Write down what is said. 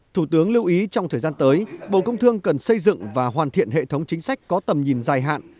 thủ tướng lưu ý trong thời gian tới bộ công thương cần xây dựng và hoàn thiện hệ thống chính sách có tầm nhìn dài hạn